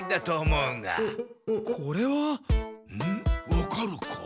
わかるか？